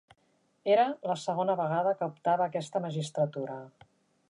Era la segona vegada que optava a aquesta magistratura.